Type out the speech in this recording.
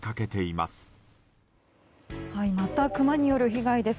またクマによる被害です。